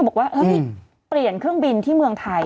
บอกว่านี่เปลี่ยนเครื่องบินที่เมืองไทย